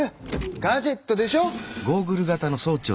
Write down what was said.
ガジェットでしょ！